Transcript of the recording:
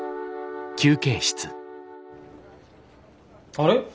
あれ？